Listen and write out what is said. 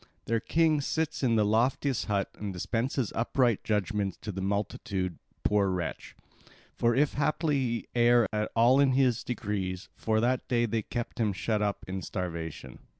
Their king sits in the loftiest hut and dispenses upright judgments to the multitude, poor wretch! For if haply he err at all in his decrees, for that day they keep him shut up in starvation.